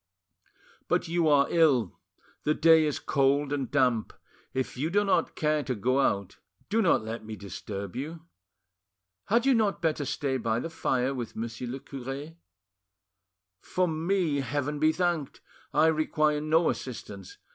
But you are ill, the day is cold and damp; if you do not care to go out, do not let me disturb you. Had you not better stay by the fire with Monsieur le cure? For me, Heaven be thanked! I require no assistance.